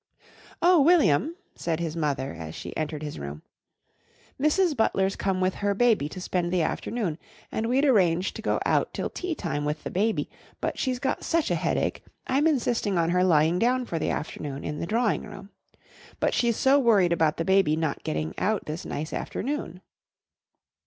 "Oh, William," said his mother, as she entered his room, "Mrs. Butler's come with her baby to spend the afternoon, and we'd arranged to go out till tea time with the baby, but she's got such a headache, I'm insisting on her lying down for the afternoon in the drawing room. But she's so worried about the baby not getting out this nice afternoon."